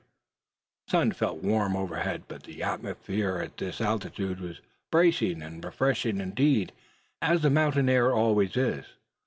The sun felt warm overhead, but the atmosphere at this altitude was bracing and refreshing indeed, as mountain air always is.